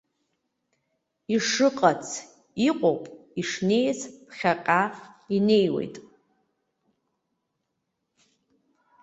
Ишыҟац, иҟоуп, ишнеиц ԥхьаҟа инеиуеит.